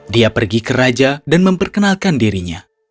dia pergi ke raja dan memperkenalkan dirinya